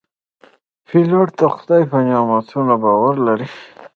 پیلوټ د خدای په نعمتونو باور لري.